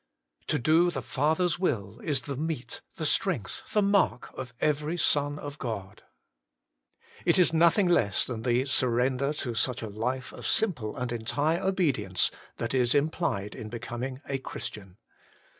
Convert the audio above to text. To do the Father's will is the meat, the strength, the mark, of every son of God. It is nothing less than the surrender to such a life of simple and entire obedience that is implied in becoming a Christian.